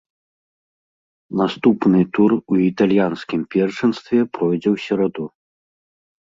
Наступны тур у італьянскім першынстве пройдзе ў сераду.